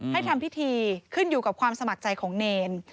ทำพิธีขึ้นอยู่กับความสมัครใจของเนร